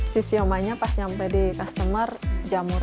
si siomanya pas nyampe di customer jamuran